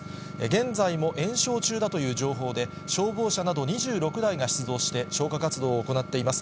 現在も延焼中だという情報で、消防車など２６台が出動して、消火活動を行っています。